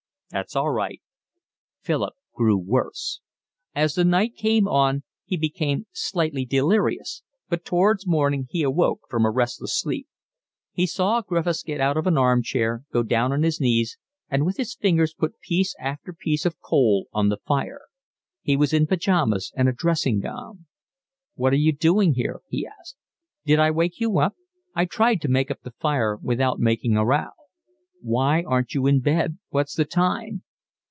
"That's all right." Philip grew worse. As the night came on he became slightly delirious, but towards morning he awoke from a restless sleep. He saw Griffiths get out of an arm chair, go down on his knees, and with his fingers put piece after piece of coal on the fire. He was in pyjamas and a dressing gown. "What are you doing here?" he asked. "Did I wake you up? I tried to make up the fire without making a row." "Why aren't you in bed? What's the time?"